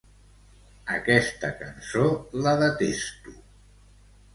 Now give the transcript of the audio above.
Aquesta cançó la detesto.